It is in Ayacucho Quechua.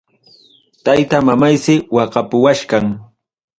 Tayta mamaysi waqapuwachkan.